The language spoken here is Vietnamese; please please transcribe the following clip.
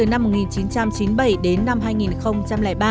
năm hai nghìn bốn một nghìn chín trăm chín mươi bảy đến năm hai nghìn ba